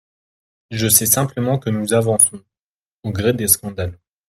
Je sais simplement que nous avançons, au gré des scandales.